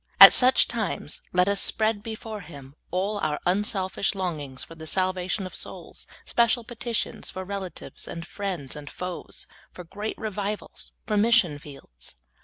At such times, let us spread before Him all our unselfish longings for the salvation of souls, special petitions for relatives and friends and foes, for great Revivals, for mission fields.